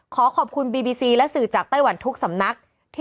ขอขอบคุณบีบีซีและสื่อจากไต้หวันทุกสำนัก